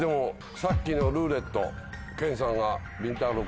さっきのルーレット研さんがりんたろう